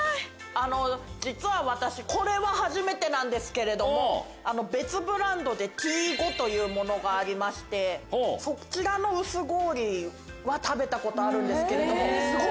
実は私これは初めてなんですけれども別ブランドでＴ五というものがありましてそちらの薄氷は食べたことあるんですけれども。